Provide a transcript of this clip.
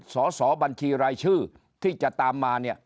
สสบัญชีรายชื่อที่จะตามมา